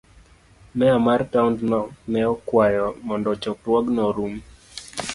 Meya mar taondno ne okwayo mondo chokruogno orum.